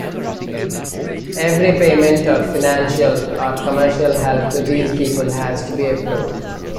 Every payment or financial or commercial help to these people has to be approved.